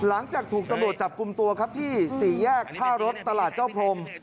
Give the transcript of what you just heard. หลังจากถูกตำรวจจับกลุ่มตัวครับที่๔แยกท่ารถตลาดเจ้าพรม